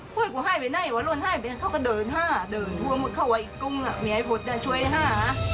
เฮ้ยกูไห้ไปไหนเวลาไห้ไปไหนเขาก็เดินห้าเดินทั่วหมดเขาว่าอีกกุ้งมีไอ้พดช่วยห้า